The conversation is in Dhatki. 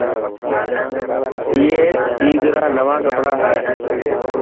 اي عيد را نوان ڪپڙا هي.